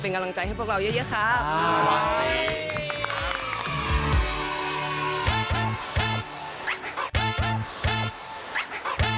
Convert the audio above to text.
เป็นกำลังใจให้พวกเราเยอะครับ